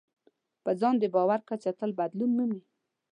په ځان د باور کچه تل بدلون مومي.